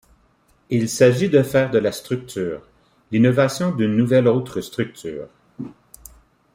Il s’agit de faire de la structure, l’innovation d’une nouvelle autre structure.